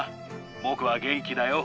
僕は元気だよ。